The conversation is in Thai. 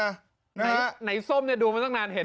นะฮะไหนส้มเนี่ยดูไม่ต้องนานเห็นได้ไหมคะ